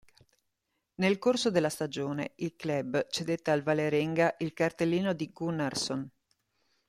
Nel corso della stagione, il club cedette al Vålerenga il cartellino di Gunnarsson.